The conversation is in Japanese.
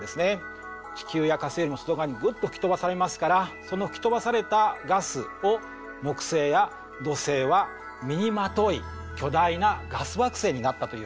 地球や火星の外側にぐっと吹き飛ばされますからその吹き飛ばされたガスを木星や土星は身にまとい巨大なガス惑星になったというわけです。